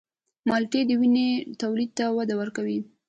مالټې د وینې تولید ته وده ورکوي.